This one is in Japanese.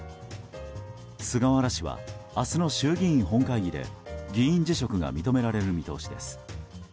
菅原氏は明日の衆議院本会議で議員辞職が認められる見通しです。